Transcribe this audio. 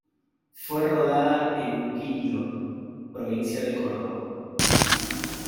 Fue rodada en Unquillo provincia de Córdoba.